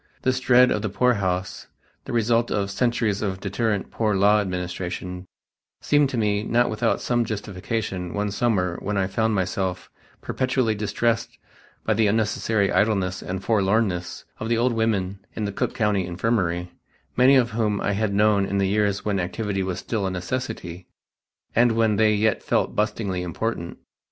This dread of the poorhouse, the result of centuries of deterrent Poor Law administration, seemed to me not without some justification one summer when I found myself perpetually distressed by the unnecessary idleness and forlornness of the old women in the Cook County Infirmary, many of whom I had known in the years when activity was still a necessity, and when they yet felt bustlingly important.